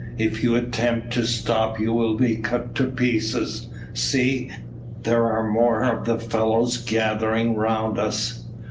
If you attempt to stop you will be cut to pieces. See, there are more of the fellows gathering round us."